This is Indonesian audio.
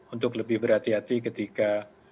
untuk lebih berhati hati ketika